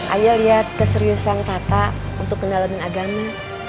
ayo liat keseriusan tata untuk kendalian agama